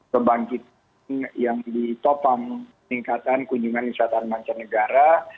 kebangkit yang ditopang meningkatkan kunjungan wisata mancanegara